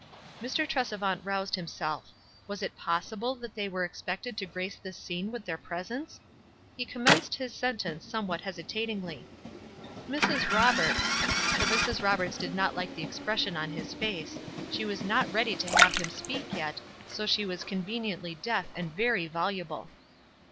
Mr. Tresevant roused himself. Was it pos sible that they were expected to grace this scene with their presence ? He commenced his sen tence somewhat hesitatingly, "Mrs. Roberts ;" but Mrs. Roberts did not like the expression on his face. She was not ready to have him speak yet, so she was conveniently deaf and very vol ublo.